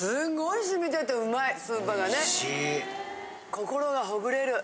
心がほぐれる。